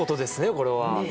これは。